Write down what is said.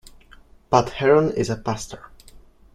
Pat Herron is pastor.